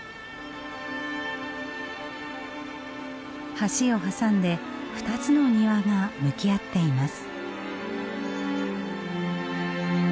橋を挟んで２つの庭が向き合っています。